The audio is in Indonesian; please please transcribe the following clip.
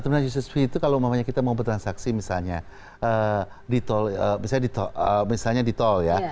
terminal usage fee itu kalau kita mau bertransaksi misalnya di tol ya